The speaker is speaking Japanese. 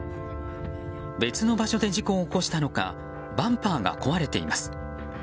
別の場所で事故を起こしたのかバンパーが壊れています。